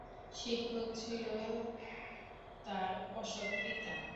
শিক্ষক ছিল তার অসৎ পিতা।